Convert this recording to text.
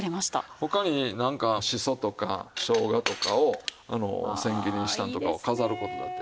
他に何かしそとかしょうがとかをせん切りにしたのとかを飾る事だって。